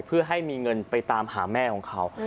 เพื่อให้มีเงินไปตามหาแม่ของเขา